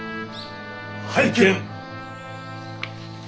拝見！